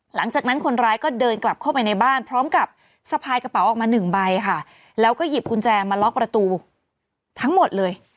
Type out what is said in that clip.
หลังจากนั้นคนร้ายก็เดินกลับเข้าไปในบ้านพร้อมกับสะพายกระเป๋าออกมาหนึ่งใบค่ะแล้วก็หยิบกุญแจมาล็อกประตูทั้งหมดเลย